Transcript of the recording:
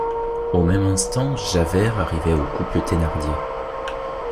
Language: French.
Au même instant Javert arrivait au couple Thénardier.